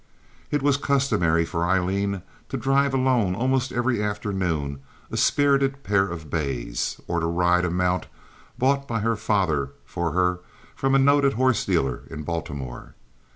It was customary for Aileen to drive alone almost every afternoon a spirited pair of bays, or to ride a mount, bought by her father for her from a noted horse dealer in Baltimore.